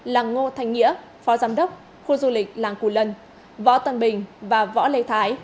là ngô thanh nghĩa phó giám đốc khu du lịch làng cù lần võ tân bình và võ lê thái